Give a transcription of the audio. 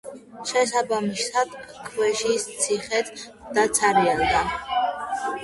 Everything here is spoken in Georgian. შესაბამისად, ქვეშის ციხეც დაცარიელდა.